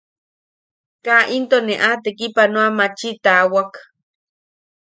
Kaa into ne a tekipanoamchi taawak.